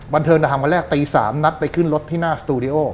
บันเทิงทำวันแรกตี๓นัดไปขึ้นรถที่หน้าสตูดิโอ